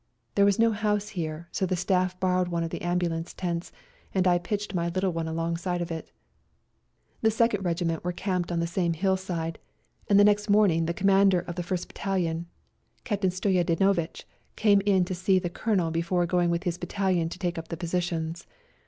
There was no house here, so the staff borrowed one of the ambulance tents, and I pitched my little one alongside of it. The Second Regiment were camped on the same hill GOOD BYE TO SERBIA 125 \ side, and the next morning the Commander \ of the First Battalion, Captain Stoyadi \ novitch, came in to see the Colonel before going with his battalion to take up the positions.